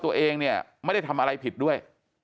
ตัวเองเนี่ยไม่ได้ทำอะไรผิดด้วย